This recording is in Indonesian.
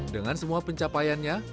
dengan semua pencapaiannya